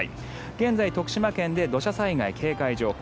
現在徳島県で土砂災害警戒情報